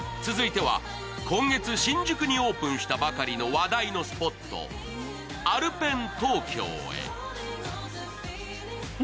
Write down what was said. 続いては今月、新宿にオープンしたばかりの話題のスポット、ＡｌｐｅｎＴＯＫＹＯへ。